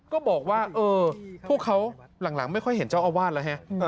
ก็บอกว่าเออพวกเขาหลังไม่ค่อยเห็นเจ้าอาวาสแล้วฮะ